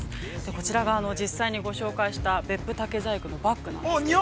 こちらが実際にご紹介した別府竹細工のバッグなんです。